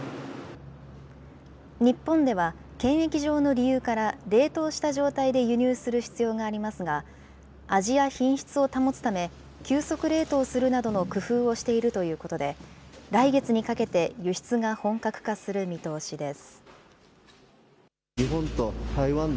日本では、検疫上の理由から冷凍した状態で輸入する必要がありますが、味や品質を保つため、急速冷凍するなどの工夫をしているということで、来月にかけて、輸出が本格化する見通しです。